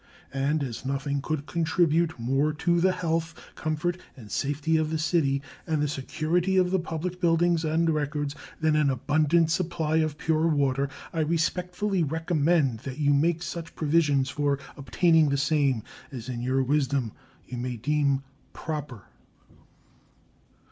And as nothing could contribute more to the health, comfort, and safety of the city and the security of the public buildings and records than an abundant supply of pure water, I respectfully recommend that you make such provisions for obtaining the same as in your wisdom you may deem proper.